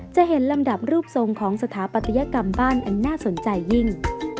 จะเห็นลำดับรูปทรงของสถาปัตยกรรมบ้านอันน่าสนใจยิ่ง